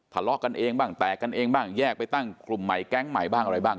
ทะเลาะกันเองบ้างแตกกันเองบ้างแยกไปตั้งกลุ่มใหม่แก๊งใหม่บ้างอะไรบ้าง